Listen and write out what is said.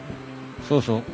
そうそう。